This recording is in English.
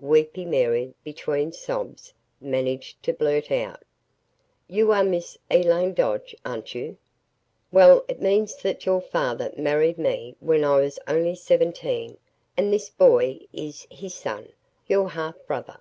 "Weepy Mary," between sobs, managed to blurt out, "You are Miss Elaine Dodge, aren't you? Well, it means that your father married me when I was only seventeen and this boy is his son your half brother."